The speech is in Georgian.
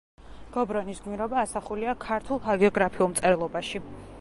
გობრონის გმირობა ასახულია ქართულ ჰაგიოგრაფიულ მწერლობაში.